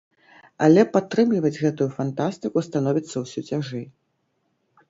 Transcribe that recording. Але падтрымліваць гэтую фантастыку становіцца ўсё цяжэй.